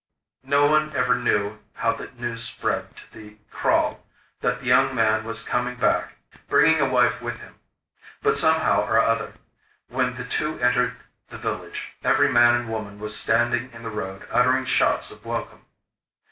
No one ever knew how the news spread to the kraal that the young man was coming back, bringing a wife with him; but, somehow or other, when the two entered the village, every man and woman was standing in the road uttering shouts of welcome.